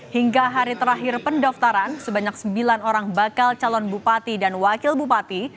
hingga hari terakhir pendaftaran sebanyak sembilan orang bakal calon bupati dan wakil bupati